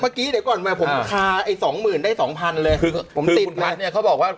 เดี๋ยวก่อนมาผมคาไอ้สองหมื่นได้สองพันเลยคือคือคุณพัทเนี้ยเขาบอกว่า